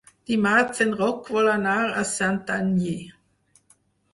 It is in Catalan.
Dimarts en Roc vol anar a Santanyí.